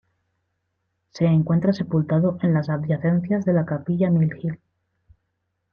Se encuentra sepultado en las adyacencias de la Capilla Mill Hill.